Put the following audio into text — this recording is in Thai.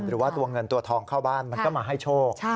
หรือว่าตัวเงินตัวทองเข้าบ้านมันก็มาให้โชค